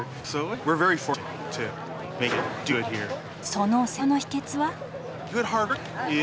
その成功の秘けつは？